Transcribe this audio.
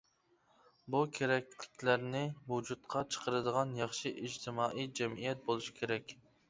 بۇ كېرەكلىكلەرنى ۋۇجۇدقا چىقىرىدىغان ياخشى ئىجتىمائىي جەمئىيەت بولۇش كېرەك.